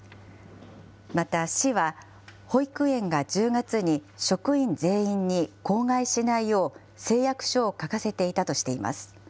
また市は、保育園が１０月に職員全員に口外しないよう、誓約書を書かせていたとしています。